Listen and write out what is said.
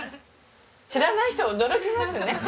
知らない人驚きますね。